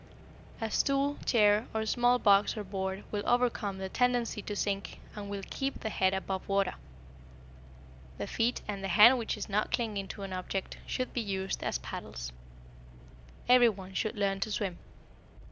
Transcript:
A stool, chair, or small box or board will overcome the tendency to sink and will keep the head above water. The feet, and the hand which is not clinging to an object, should be used as paddles. Every one should learn to swim.